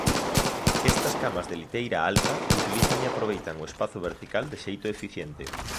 Estas camas de liteira alta utilizan e aproveitan o espazo vertical de xeito eficiente.